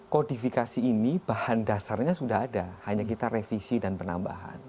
kodifikasi ini bahan dasarnya sudah ada hanya kita revisi dan penambahan